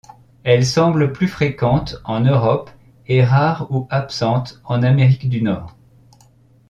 Elle semble plus fréquente en Europe et rare ou absente en Amérique du Nord.